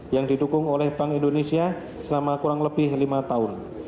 yang didukung oleh bank indonesia selama kurang lebih lima tahun